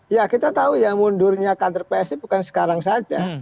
ya kita tahu ya mundurnya kader psi bukan sekarang saja